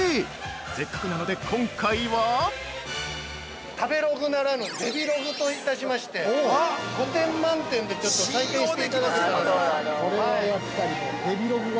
せっかくなので今回は◆食べログならぬデヴィログといたしまして５点満点で採点していただくというのは？